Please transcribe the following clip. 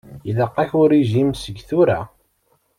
Ilaq-ak urijim seg tura.